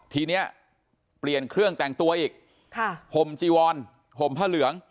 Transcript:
ทีนี้เปลี่ยนเครื่องแต่งตัวอีกค่ะห่มจีวอนห่มผ้าเหลือง